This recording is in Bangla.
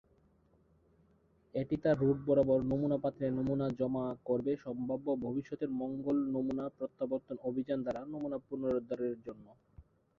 এটি তার রুট বরাবর নমুনা পাত্রে নমুনা জমা করবে সম্ভাব্য ভবিষ্যতের মঙ্গল নমুনা-প্রত্যাবর্তন অভিযান দ্বারা নমুনা পুনরুদ্ধারের জন্য।